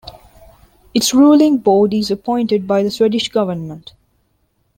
Its ruling board is appointed by the Swedish government.